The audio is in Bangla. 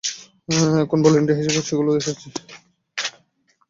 এখন ভলান্টিয়ার হিসেবে সেগুলো শেখাচ্ছি।